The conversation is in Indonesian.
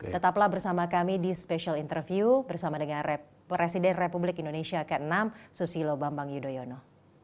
tetaplah bersama kami di special interview bersama dengan presiden republik indonesia ke enam susilo bambang yudhoyono